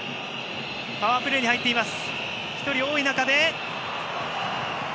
パワープレーに入っています。